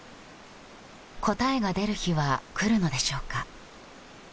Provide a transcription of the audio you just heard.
答えが出る日は来るのでしょうか。